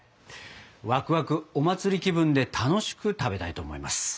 ワクワクお祭り気分で楽しく食べたいと思います！